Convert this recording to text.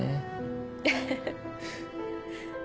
ハハハ。